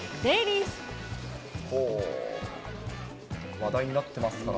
話題になってますからね。